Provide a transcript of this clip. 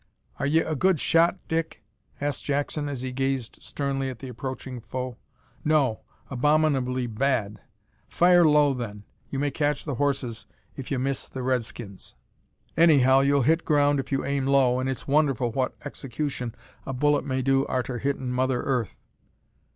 "Are ye a good shot, Dick?" asked Jackson, as he gazed sternly at the approaching foe. "No abominably bad." "Fire low then. You may catch the horses if ye miss the Redskins. Anyhow you'll hit the ground if you aim low, an' it's wonderful what execution a bullet may do arter hittin' mother Earth."